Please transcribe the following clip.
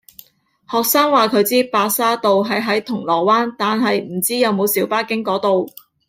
學生話佢知白沙道係喺銅鑼灣，但係唔知有冇小巴經嗰度